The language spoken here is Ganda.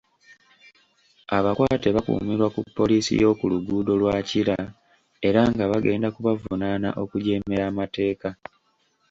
Abakwate bakuumirwa ku Poliisi y'oku luguudo lwa Kira, era nga bagenda kubavunaana okujeemera amateeka.